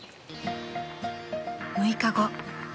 ［６日後］